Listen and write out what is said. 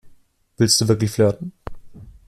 Willst du wirklich flirten?